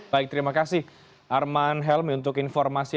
baik terima kasih arman helmi untuk informasi